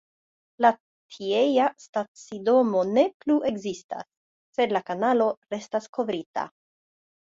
La tiea stacidomo ne plu ekzistas, sed la kanalo restas kovrita.